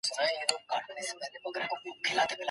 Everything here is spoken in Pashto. د هیلې په سترګو کې د غچ او بښنې تر منځ یوه جګړه وه.